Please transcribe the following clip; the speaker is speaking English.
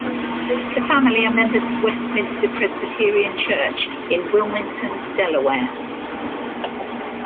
The family are members of Westminster Presbyterian Church in Wilmington, Delaware.